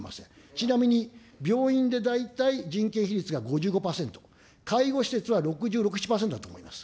ちなみに病院で大体人件費率が５５％、介護施設は６６、７％だと思います。